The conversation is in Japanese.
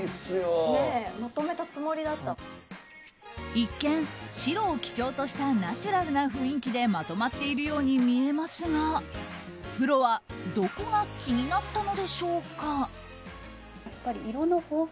一見、白を基調としたナチュラルな雰囲気でまとまっているように見えますがプロはどこが気になったのでしょうか。